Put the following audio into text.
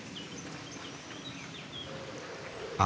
あ！